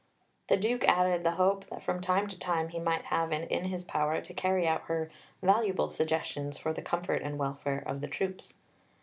The Duke added the hope that from time to time he might have it in his power to carry out her "valuable suggestions for the comfort and welfare of the troops."